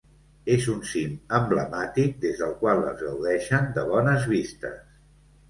És un cim emblemàtic des del qual es gaudeixen de bones vistes.